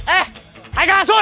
eh haikalama asun